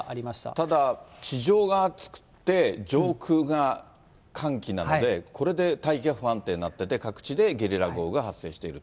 ただ、地上が熱くて、上空が寒気なので、これで大気が不安定になってて、それで各地でゲリラ豪雨が発生していると？